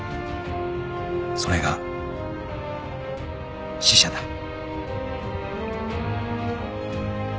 ［それが死者だ］